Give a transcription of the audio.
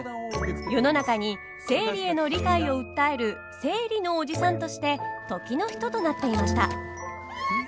世の中に生理への理解を訴える「生理のおじさん」として時の人となっていました。